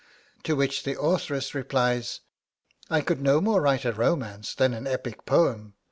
To which the authoress replies: 'I could no more write a romance than an epic poem.